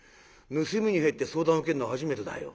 盗みに入って相談受けるのは初めてだよ。